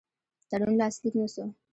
تړون لاسلیک نه سو.